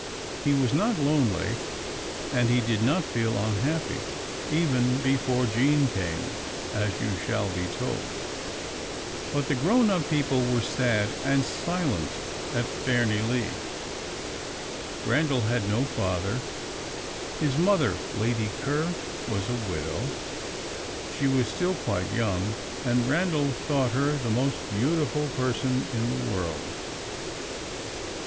He was not lonely, and he did not feel unhappy, even before Jean came, as you shall be told. But the grown up people were sad and silent at Fairnilee. Randal had no father; his mother, Lady Ker, was a widow. She was still quite young, and Randal thought her the most beautiful person in the world.